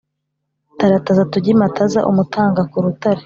Tarataza tujye i Mataza-Umutanga ku rutare.